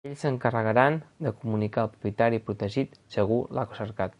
Ells s’encarregaran de comunicar al propietari protegit si algú l’ha cercat.